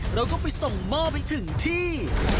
เราก็ไปส่งหม้อไปถึงที่